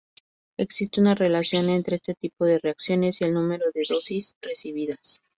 Existe una relación entre este tipo de reacciones y el número de dosis recibidas.